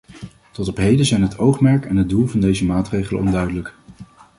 Tot op heden zijn het oogmerk en het doel van deze maatregel onduidelijk.